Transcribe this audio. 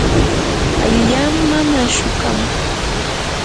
kayllaman ashukamuy.